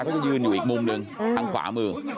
เขาจะยืนอยู่อีกมุมหนึ่งทางขวามือ